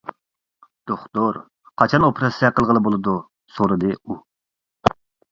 -دوختۇر، قاچان ئوپېراتسىيە قىلغىلى بولىدۇ؟ -سورىدى ئۇ.